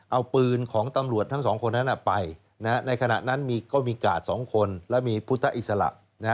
เอาปืนของตำรวจทั้งสองคนนั้นไปในขณะนั้นก็มีกาด๒คนและมีพุทธอิสระ